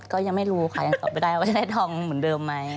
ก็ยังไม่รู้ค่ะยังตอบไม่ได้ว่าจะได้ทองเหมือนเดิมไหม